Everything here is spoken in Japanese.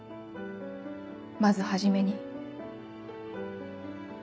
まず初めに。